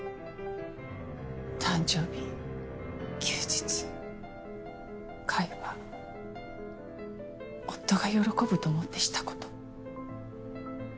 誕生日休日会話夫が喜ぶと思ってしたこと。